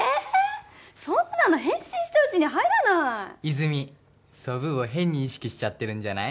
そんなの返信したうちに入らない泉ソブーを変に意識しちゃってるんじゃない？